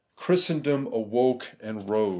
Christendom awoke and arose.